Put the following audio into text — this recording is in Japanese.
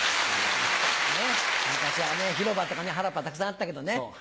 昔はね広場とか原っぱはたくさんあったけどね。